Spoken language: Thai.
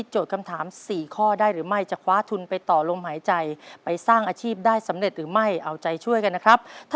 ตอบถูก๒ข้อรับ๑๐๐๐๐บาท